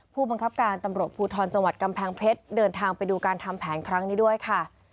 ผู้บังคับการตำรวจภูทรจังหวัดกำแพงเพชรเดินทางไปดูการทำแผนครั้งนี้ด้วยค่ะ